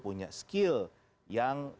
punya skill yang